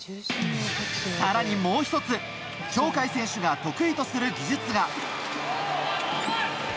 更に、もう１つ鳥海選手が得意とする技術が。